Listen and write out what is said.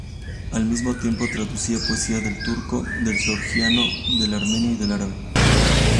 Al mismo tiempo, traducía poesía del turco, del georgiano, del armenio y del árabe.